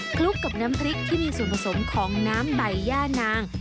ลุกกับน้ำพริกที่มีส่วนผสมของน้ำใบย่านาง